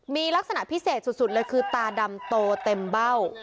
มีลักษณะพิเศษสุดเลยคือตาดำโตเต็มเบ้า